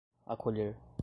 acolher